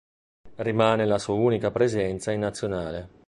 Rimane la sua unica presenza in Nazionale.